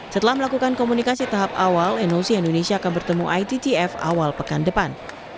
setelah melakukan komunikasi tahap awal noc indonesia akan bertemu ittf awal pekan depan